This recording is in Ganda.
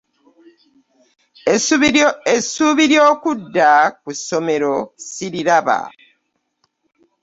Essuubi ly'okudda ku ssomero ssiriraba.